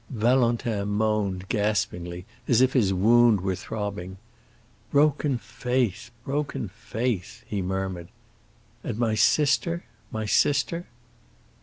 Valentin moaned gaspingly, as if his wound were throbbing. "Broken faith, broken faith!" he murmured. "And my sister—my sister?"